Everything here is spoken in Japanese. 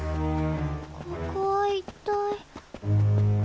ここは一体。